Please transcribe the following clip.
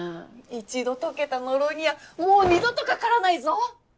一度解けた呪いにはもう二度とかからないぞ！